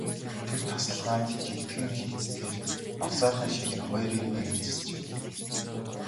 Тэр тасалгаанд жигдхэн хийцтэй авсаархан ширээ хоёр эгнээгээр засжээ.